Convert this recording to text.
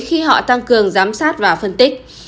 khi họ tăng cường giám sát và phân tích